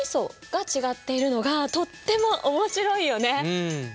うん。